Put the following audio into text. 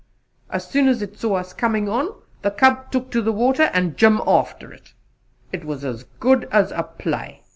As soon as it saw us coming on, the cub took to the water, and Jim after it. It was as good as a play.